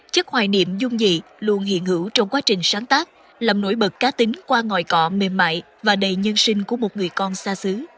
chất hoài niệm dung dị luôn hiện hữu trong quá trình sáng tác làm nổi bật cá tính qua ngòi cọ mềm mại và đầy nhân sinh của một người con xa xứ